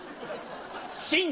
新！